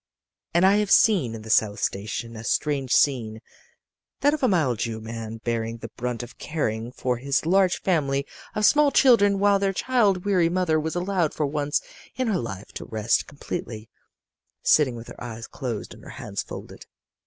"And I have seen in the South Station a strange scene: that of a mild Jew man bearing the brunt of caring for his large family of small children, while their child weary mother was allowed for once in her life to rest completely, sitting with her eyes closed and her hands folded.